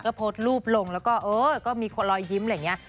ก็โพสต์รูปลงแล้วก็เออก็มีคนรอยยิ้มอะไรอย่างนี้